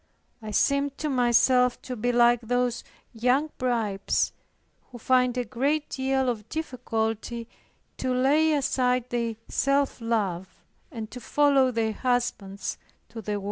I seemed to myself to be like those young brides, who find a great deal of difficulty to lay aside their self love, and to follow their husbands to the war.